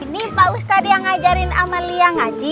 ini pak ustadz yang ngajarin amalia ngaji